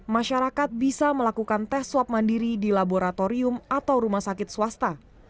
masyarakat bisa melakukan tes swab mandiri di laboratorium atau rumah sakit swasta